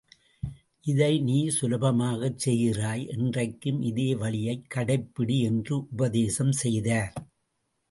இதை நீ சுலபமாகச் செய்கிறாய், என்றைக்கும் இதே வழியைக் கடைப்பிடி என்று உபதேசம் செய்தார்.